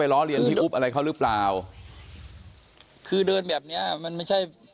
ล้อเลียนพี่อุ๊บอะไรเขาหรือเปล่าคือเดินแบบเนี้ยมันไม่ใช่